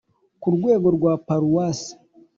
ku rwego rwa paruwasi